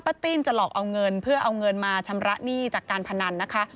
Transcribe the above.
ติ้นจะหลอกเอาเงินเพื่อเอาเงินมาชำระหนี้จากการพนันนะคะ